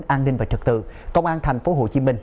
an ninh và trật tự công an tp hcm